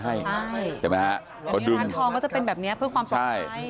ใช่ใช่ไหมฮะอันนี้ร้านทองก็จะเป็นแบบเนี้ยเพื่อความสดใจ